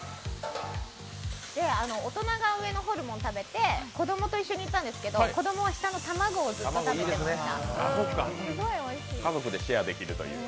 大人が上のホルモン食べて子供と一緒に行ったんですけど子供は下の卵をずっと食べてました。